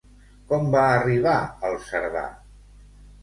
Com va arribar el Cerdà?